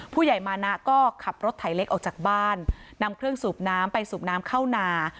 ผู้ใหญ่มานะก็ขับรถไถเล็กออกจากบ้านนำเครื่องสูบน้ำไปสูบน้ำเข้านา